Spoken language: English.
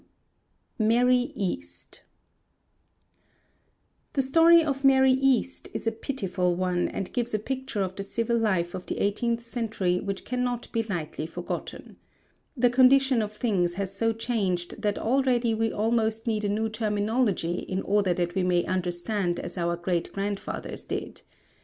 MARY EAST The story of Mary East is a pitiful one, and gives a picture of the civil life of the eighteenth century which cannot be lightly forgotten. The condition of things has so changed that already we almost need a new terminology in order that we may understand as our great grandfathers did.